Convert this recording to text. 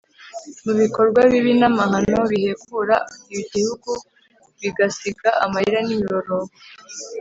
mu bikorwa bibi n’amahano bihekura igihugu bigasiga amarira n’imiborogo.